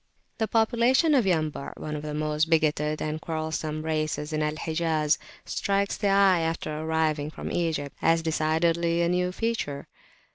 The population of Yambu' one of the most bigoted and quarrelsome races in Al Hijaz strikes the eye after arriving from Egypt, as decidedly a new feature.